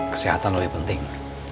kesehatan lebih penting